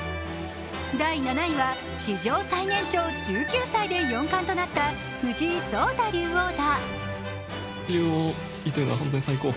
第７位は史上最年少１９歳で四冠となった藤井聡太竜王だ。